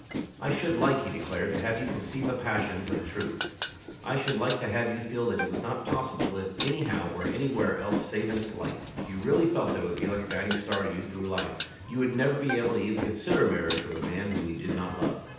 "I should like," he declared, "to have you conceive a passion for the truth. I should like to have you feel that it was not possible to live anyhow or anywhere else save in its light. If you really felt that it would be like a guiding star to you through life, you would never be able even to consider marriage with a man whom you did not love."